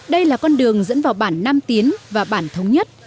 đây là con đường dẫn vào bản nam tiến và bản thống nhất